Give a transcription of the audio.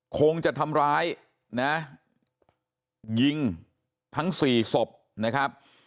คงจะทำร้ายนะยิงทั้งสี่ศพนะครับ